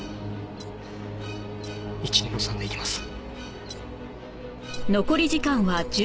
１２の３でいきます。